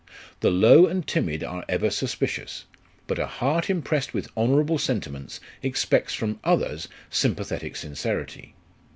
The low and timid are ever suspicious; but a heart impressed with honourable sentiments, expects from others sympathetic sincerity.